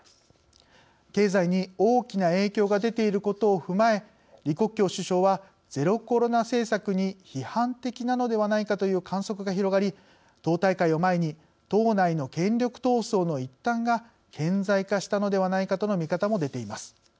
経済に大きな影響が出ていることを踏まえ李克強首相はゼロコロナ政策に批判的なのではないかという観測が広がり、党大会を前に党内の権力闘争の一端が顕在化したのではないかとの見方も出ています。